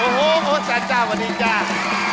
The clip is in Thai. โอ้โหสันสวัสดีก่อน